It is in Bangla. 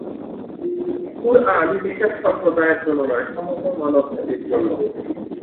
কুরআন বিশেষ সম্প্রদায়ের জন্য নয়, সমগ্র মানব জাতির জন্য।